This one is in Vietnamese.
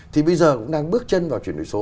thì bây giờ cũng đang bước chân vào chuyển đổi số